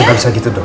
gak usah gitu dong